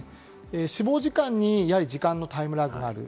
死亡時間に、時間のタイムラグがある。